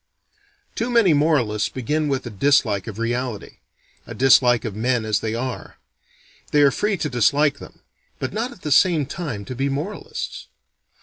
Too many moralists begin with a dislike of reality: a dislike of men as they are. They are free to dislike them but not at the same time to be moralists.